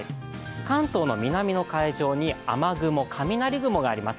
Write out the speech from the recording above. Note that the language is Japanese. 関東の南の海上に雨雲、雷雲があります。